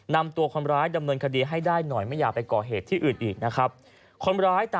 นำตัวคนร้ายดำเนินคดีให้ได้หน่อยไม่อยากไปก่อเหตุที่อื่นอีกนะครับ